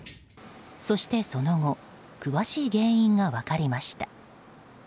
そしてその後詳しい原因が分かりました。